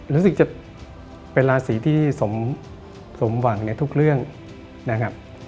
รู้สึกจะเป็นราศีที่สมหวังในทุกเรื่องนะครับ